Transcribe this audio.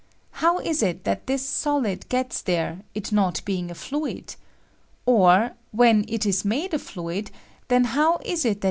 How is it that this solid gets there, it not being a fluid? or, when it is made a fluid, then how is it that THE CDP.